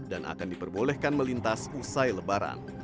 dan akan diperbolehkan melintas usai lebaran